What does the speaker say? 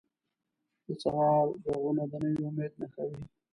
د سهار ږغونه د نوي امید نښه وي.